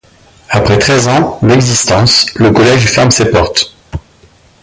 Après treize ans d'existence, le collège ferme ses portes.